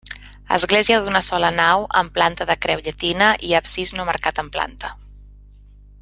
Església d'una sola nau amb planta de creu llatina i absis no marcat en planta.